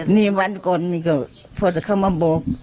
นี่วันก่อนนี่ก็พอจะเข้ามาบอก